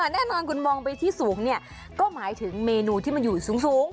แน่นอนคุณมองไปที่สูงเนี่ยก็หมายถึงเมนูที่มันอยู่สูง